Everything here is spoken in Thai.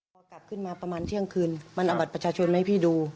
พอกลับขึ้นมาประมาณเที่ยงคืนมันเอาบัตรประชาชนมาให้พี่ดู